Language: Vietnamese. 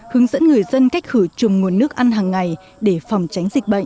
hướng dẫn người dân cách khử trùng nguồn nước ăn hàng ngày để phòng tránh dịch bệnh